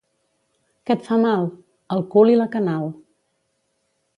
—Què et fa mal? —El cul i la canal.